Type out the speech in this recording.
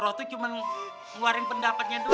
rob tuh cuma ngeluarin pendapatnya doang kan mas